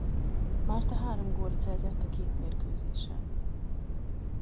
Marta három gólt szerzett a két mérkőzésen.